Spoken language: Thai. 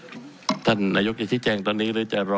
ผมจะขออนุญาตให้ท่านอาจารย์วิทยุซึ่งรู้เรื่องกฎหมายดีเป็นผู้ชี้แจงนะครับ